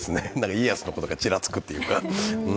家康のことがちらつくっていうか。